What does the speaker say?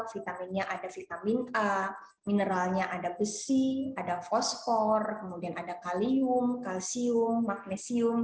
vitaminnya ada vitamin a mineralnya ada besi ada fosfor kemudian ada kalium kalsium magnesium